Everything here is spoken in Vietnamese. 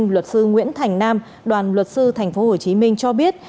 luật sư nguyễn thành nam đoàn luật sư tp hcm cho biết